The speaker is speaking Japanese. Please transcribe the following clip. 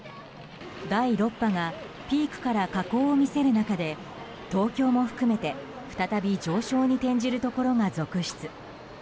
第６波がピークから下降を見せる中で東京も含めて再び上昇に転じるところが続出。